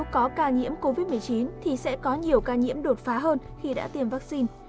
có ca nhiễm covid một mươi chín thì sẽ có nhiều ca nhiễm đột phá hơn khi đã tiêm vaccine